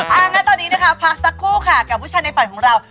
เอางั้นตอนนี้นะคะพักสักครู่ค่ะกับผู้ชายในฝันของเรา